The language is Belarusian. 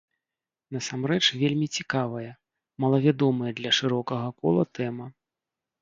Насамрэч вельмі цікавая, малавядомая для шырокага кола тэма.